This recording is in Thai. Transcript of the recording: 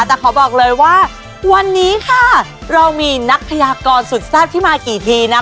แต่ขอบอกเลยว่าวันนี้ค่ะเรามีนักพยากรสุดแซ่บที่มากี่ทีนะ